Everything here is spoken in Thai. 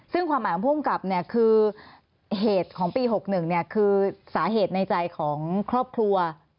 ซึ่งความหมายของผู้กำกับคือเหตุของปี๖๑คือสาเหตุในใจของครอบครัว